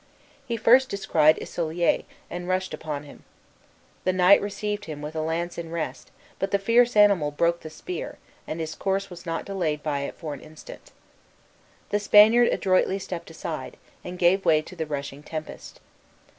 He first descried Isolier, and rushed upon him. The knight received him with lance in rest, but the fierce animal broke the spear, and his course was not delayed by it for an instant. The Spaniard adroitly stepped aside, and gave way to the rushing tempest.